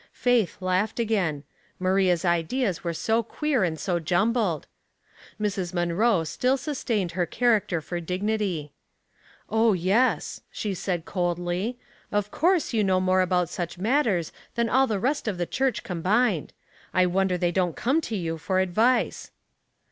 Faith laughed again. Maria'6 ideas were so queer and so jumbled. Mrs. Aiuuroe still sus tained her character for digDi*y. " Oh, yes," she said, colJlj. '•' Of course you know more about such r^atters than all the rest of the church cointined. I wonder they don't come to you for advice."